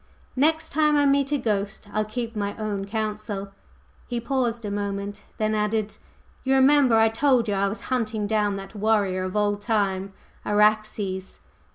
Next time I meet a ghost I'll keep my own counsel!" He paused a moment, then added: "You remember I told you I was hunting down that warrior of old time, Araxes?"